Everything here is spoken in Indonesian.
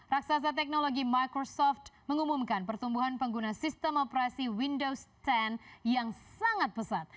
raksasa teknologi microsoft mengumumkan pertumbuhan pengguna sistem operasi windows sepuluh yang sangat pesat